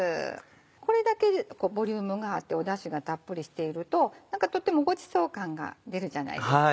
これだけボリュームがあってだしがたっぷりしているととてもごちそう感が出るじゃないですか。